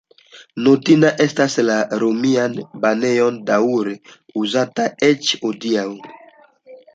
Notindaj estas la romiaj banejoj, daŭre uzataj eĉ hodiaŭ.